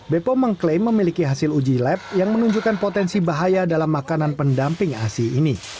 bepom mengklaim memiliki hasil uji lab yang menunjukkan potensi bahaya dalam makanan pendamping asi ini